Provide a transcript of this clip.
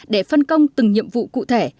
để phân công từng nhiệm vụ cụ thể